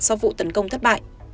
sau vụ tấn công thất bại